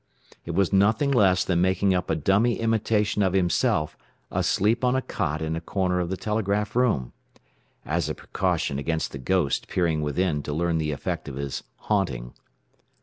It was nothing less than making up a dummy imitation of himself asleep on a cot in a corner of the telegraph room as a precaution against the "ghost" peering within to learn the effect of his "haunting."